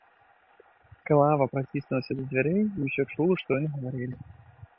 Клава прыціснулася да дзвярэй і ўсё чула, што яны гаварылі.